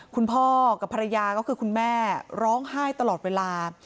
พ่อกับภรรยาก็คือคุณแม่ร้องไห้ตลอดเวลา